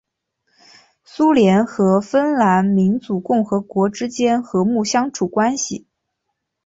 苏联和芬兰民主共和国之间和睦相处关系。